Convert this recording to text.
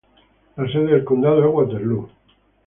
La sede del condado es Waterloo.